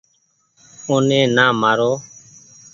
اوني نآ مآرو ۔